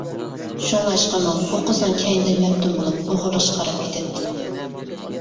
شۇڭلاشقىمۇ ئۇ قىزنىڭ كەينىدىن مەپتۇن بولۇپ ئوغرىلىقچە قاراپ كېتەتتىم.